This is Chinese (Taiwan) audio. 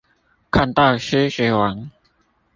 看到獅子王